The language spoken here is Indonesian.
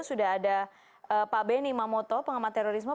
sudah ada pak benny mamoto pengamat terorisme